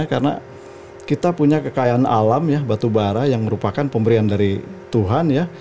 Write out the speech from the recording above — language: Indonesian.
karena kita punya kekayaan alam ya batubara yang merupakan pemberian dari tuhan ya